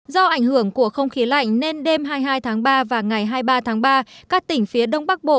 do ảnh hưởng của không khí lạnh nên đêm hai mươi hai tháng ba và ngày hai mươi ba tháng ba các tỉnh phía đông bắc bộ